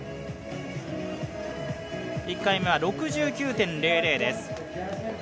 １回目は６９．００です。